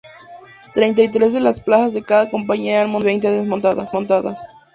Treinta y tres de las plazas de cada compañía eran montadas y veinte desmontadas.